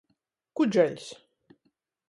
Kudžeļs.